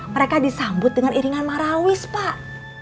mereka disambut dengan iringan marawis pak